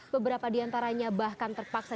beberapa diantaranya bahkan terpaksa